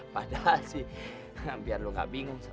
padahal sih biar lo gak bingung